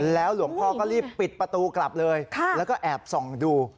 หลวงพ่อก็รีบปิดประตูกลับเลยแล้วก็แอบส่องดู